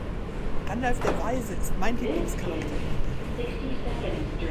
Gandalf der Weise ist mein Lieblingscharakter in Herr der Ringe.